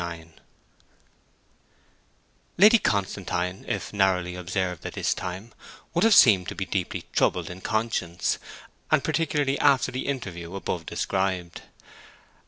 IX Lady Constantine, if narrowly observed at this time, would have seemed to be deeply troubled in conscience, and particularly after the interview above described.